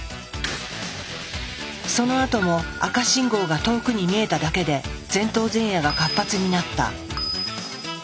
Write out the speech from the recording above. そのあとも赤信号が遠くに見えただけで前頭前野が活発になった。